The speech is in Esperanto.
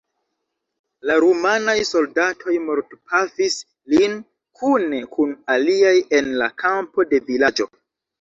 La rumanaj soldatoj mortpafis lin kune kun aliaj en la kampo de vilaĝo.